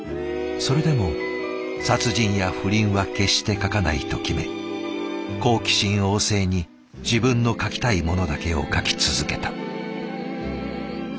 それでも殺人や不倫は決して書かないと決め好奇心旺盛に自分の書きたいものだけを書き続けた。